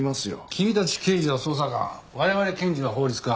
君たち刑事は捜査官我々検事は法律家。